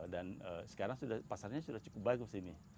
dan sekarang pasarnya sudah cukup bagus ini